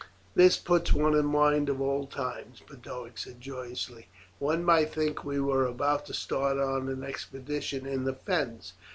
"This puts one in mind of old times," Boduoc said joyously; "one might think we were about to start on an expedition in the fens.